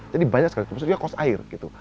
jadi banyak sekali maksudnya kos air gitu